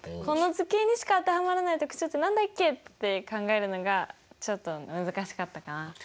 この図形にしか当てはまらない特徴って何だっけって考えるのがちょっと難しかったかな。